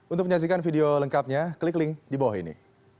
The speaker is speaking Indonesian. untuk menyaksikan video lengkapnya klik link di bawah ini